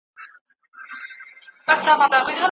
شاګرد ته باید داسې موضوع ورکړل سي چي استاد پرې پوهېږي.